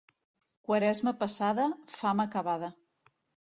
Quaresma passada, fam acabada.